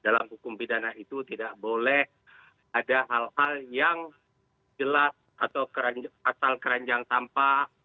dalam hukum pidana itu tidak boleh ada hal hal yang jelas atau asal keranjang sampah